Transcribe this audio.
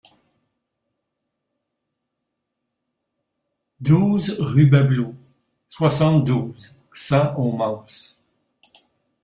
douze rue Bablot, soixante-douze, cent au Mans